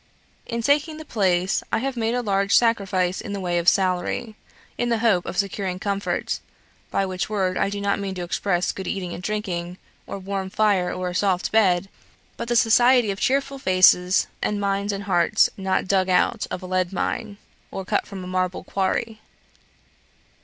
In taking the place, I have made a large sacrifice in the way of salary, in the hope of securing comfort, by which word I do not mean to express good eating and drinking, or warm fire, or a soft bed, but the society of cheerful faces, and minds and hearts not dug out of a lead mine, or cut from a marble quarry.